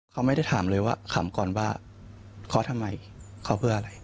เคาะไม่ได้ถามเลยว่าขอมกรณ์ว่าขอดทำไมเขาเพื่อ